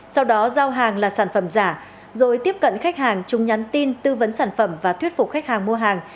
sau đó giao hàng là sản phẩm giả rồi tiếp cận khách hàng chung nhắn tin tư vấn sản phẩm và thuyết phục khách hàng mua hàng